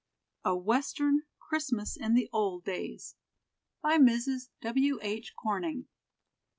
A WESTERN CHRISTMAS IN THE OLD DAYS. BY MRS. W. H. CORNING.